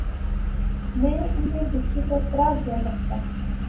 میں انیں دیکھی تہ ترہا جیا لختا